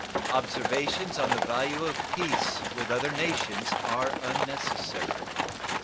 Observations on the value of peace with other nations are unnecessary.